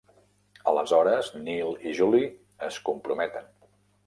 Aleshores, Neil i Julie es comprometen.